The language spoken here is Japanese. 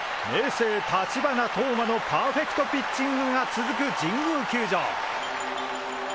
青・立花投馬のパーフェクトピッチングが続く神宮球場。